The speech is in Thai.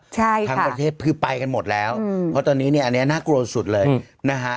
ทั่วทางประเทศพื้นไปกันหมดแล้วเพราะตอนนี้เนี่ยนะเกลอสุดเลยนะฮะ